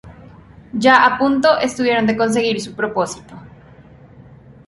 Ya a punto estuvieron de conseguir su propósito.